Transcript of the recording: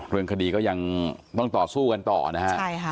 เรื่องคดีก็ยังต้องต่อสู้กันต่อนะฮะ